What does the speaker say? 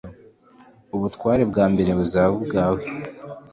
ubutware bwa mbere buzaba ubwawe